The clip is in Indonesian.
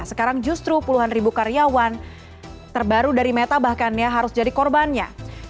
sekarang justru puluhan ribu karyawan terbaru dari meta bahkan ya harus jadi korbannya